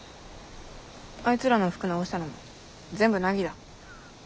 あいつらの服直したのも全部ナギだ。